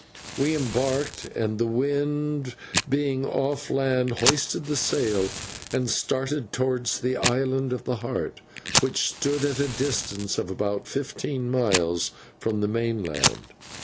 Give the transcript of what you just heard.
We embarked, and, the wind being off land, hoisted the sail and started towards the Island of the Heart, which stood at a distance of about fifteen miles from the mainland.